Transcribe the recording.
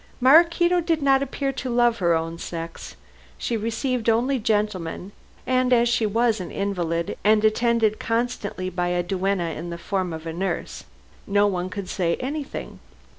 Maraquito did not appear to love her own sex. She received only gentlemen, and as she was an invalid and attended constantly by a duenna in the form of a nurse, no one could say anything.